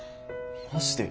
マジで？